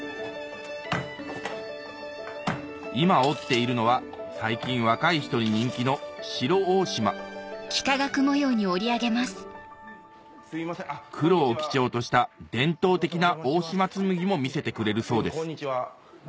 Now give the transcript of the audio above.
今織っているのは最近若い人に人気の黒を基調とした伝統的な大島紬も見せてくれるそうです